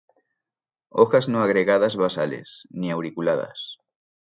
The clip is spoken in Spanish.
Hojas no agregadas basales; ni auriculadas.